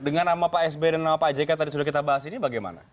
dengan nama pak s b dan nama pak j k tadi sudah kita bahas ini bagaimana